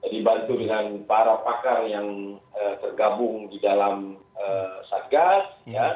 dibantu dengan para pakar yang tergabung di dalam satgas